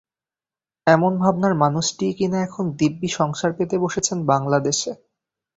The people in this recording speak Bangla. এমন ভাবনার মানুষটিই কিনা এখন দিব্যি সংসার পেতে বসেছেন বাংলাদেশে।